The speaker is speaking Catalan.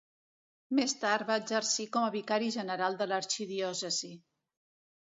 Més tard va exercir com a vicari general de l'arxidiòcesi.